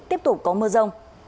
tiếp tục có mưa rông